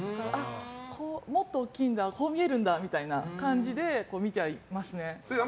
もっと大きいんだこう見えるんだみたいな感じで見ちゃいますね。